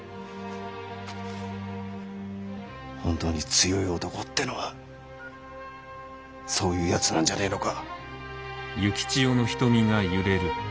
本当に強い男ってのはそういうやつなんじゃねえのか。